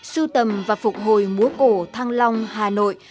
sưu tầm và phục hồi cổ thăng long hà nội